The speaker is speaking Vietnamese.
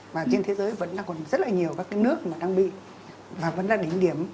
và trên thế giới vẫn còn rất là nhiều các nước đang bị và vẫn là đỉnh điểm